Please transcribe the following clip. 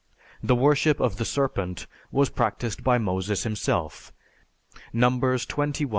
The worship of the serpent was practiced by Moses himself (Num. XXI, 9).